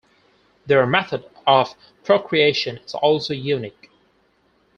Their method of procreation is also unique.